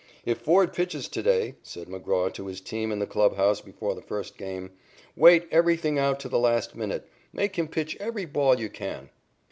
"If Ford pitches to day," said McGraw to his team in the clubhouse before the first game, "wait everything out to the last minute. Make him pitch every ball you can."